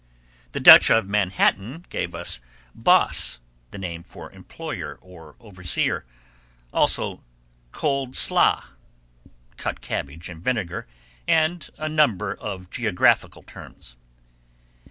The Dutch of Manhattan island gave us boss, the name for employer or overseer, also cold slaa (cut cabbage and vinegar), and a number of geographical terms.